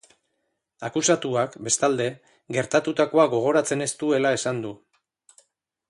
Akusatuak, bestalde, gertatutakoa gogoratzen ez duela esan du.